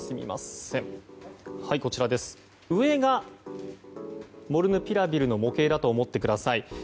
上がモルヌピラビルの模型だと思ってください。